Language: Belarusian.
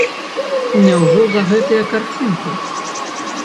Няўжо за гэтыя карцінкі?